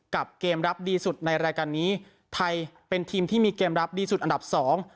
เกมรับดีสุดในรายการนี้ไทยเป็นทีมที่มีเกมรับดีสุดอันดับสอง